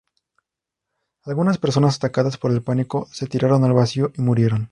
Algunas personas atacadas por el pánico se tiraron al vacío y murieron.